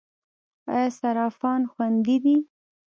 آیا صرافان خوندي دي؟